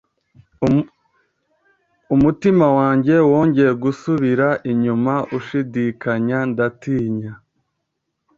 umutima wanjye wongeye gusubira inyuma ushidikanya. ndatinya